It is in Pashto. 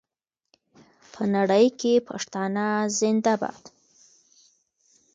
په نړۍ کې پښتانه زنده باد.